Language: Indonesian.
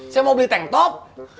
saya mau beli tang top